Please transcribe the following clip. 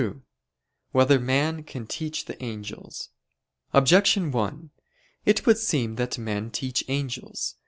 2] Whether Man Can Teach the Angels? Objection 1: It would seem that men teach angels.